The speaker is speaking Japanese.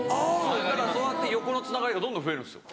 そうやって横のつながりがどんどん増えるんですよ。